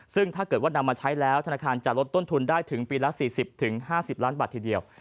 ซึ่งถ้าเกิดว่านำมาใช้แล้วธนาคารจะลดต้นทุนได้ถึงปีละ๔๐๕๐ล้านบาททีเดียว